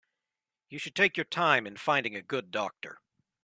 You should take your time in finding a good doctor.